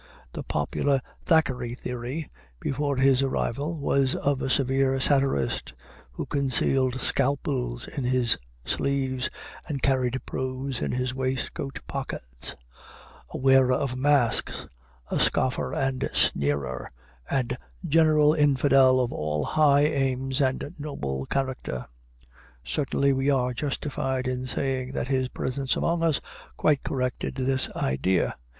The popular Thackeray theory, before his arrival, was of a severe satirist, who concealed scalpels in his sleeves and carried probes in his waistcoat pockets; a wearer of masks; a scoffer and sneerer, and general infidel of all high aims and noble character. Certainly we are justified in saying that his presence among us quite corrected this idea.